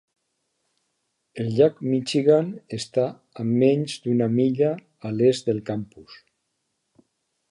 El llac Michigan està a menys d'una milla a l'est del campus.